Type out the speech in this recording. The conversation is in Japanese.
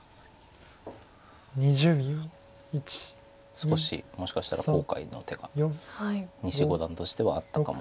少しもしかしたら後悔の手が西五段としてはあったかも。